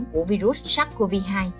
của virus sars cov hai